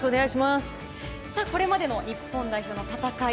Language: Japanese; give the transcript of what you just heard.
これまでの日本代表の戦い